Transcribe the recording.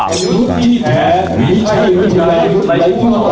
ยุตที่แท้มีใช่วิทยายุทธ์หลายผู้ต่อต้าน